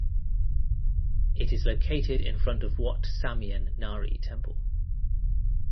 It is located in front of Wat Samian Nari temple.